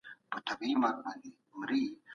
د ښوونکو د مهارتونو د لوړولو لپاره ورکشاپونه نه وو.